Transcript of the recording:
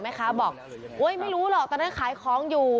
แม่ค้าบอกโอ๊ยไม่รู้หรอกตอนนั้นขายของอยู่